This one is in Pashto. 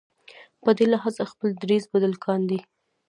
په دې لحاظ خپل دریځ بدل کاندي.